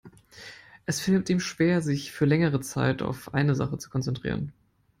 Es fällt ihm schwer, sich für längere Zeit auf eine Sache zu konzentrieren.